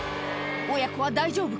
親子は大丈夫か？